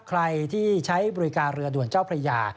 ใครที่ใช้บริการเรือด่วนเจ้าพระยา